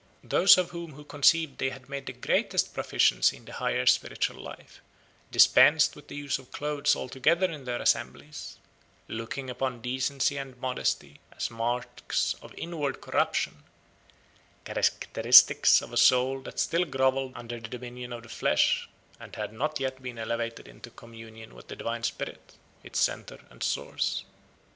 Those of them who conceived they had made the greatest proficiency in the higher spiritual life dispensed with the use of clothes altogether in their assemblies, looking upon decency and modesty as marks of inward corruption, characteristics of a soul that still grovelled under the dominion of the flesh and had not yet been elevated into communion with the divine spirit, its centre and source.